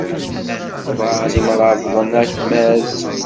Qeḍɛen imrabḍen akmaz.